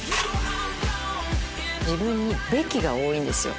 自分に「べき」が多いんですよ。